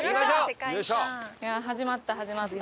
始まった始まった。